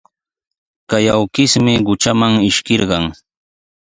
Kay awkishmi qutraman ishkirqan.